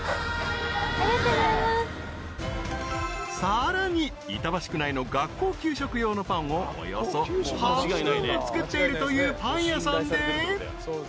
［さらに板橋区内の学校給食用のパンをおよそ半分も作っているというパン屋さんで］